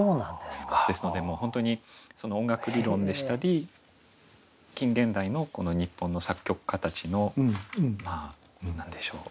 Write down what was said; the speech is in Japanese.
ですので本当に音楽理論でしたり近現代のこの日本の作曲家たちのまあ何でしょう